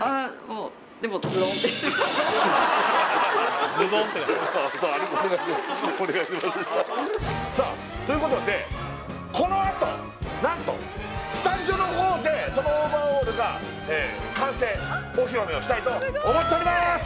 もうでもお願いしますさあということでこのあと何とスタジオのほうでそのオーバーオール完成お披露目をしたいと思っております